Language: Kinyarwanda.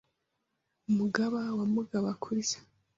Mugaba wa Mugaba kurya